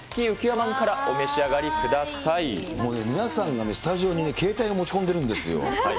まんからお皆さんがね、スタジオに携帯を持ち込んでいるんですよ。